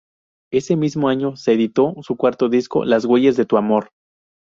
Ese mismo año se editó su cuarto disco "Las huellas de tu amor".